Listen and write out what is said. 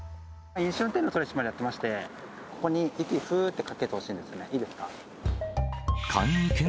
飲酒運転の取締りやってまして、ここに息、ふーってかけてほしいんです、いいですか。